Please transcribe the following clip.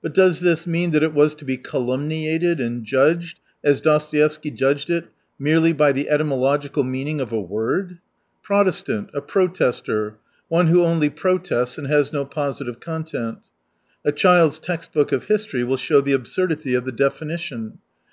But does this mean that it was to be calumniated, and judged, as Dostoevsky judged it, merely by the etymo logical meaning of a word ? Protestant — a protester, one who only protests and has no positive content. A child's text book of history will show the absurdity of the defini tion.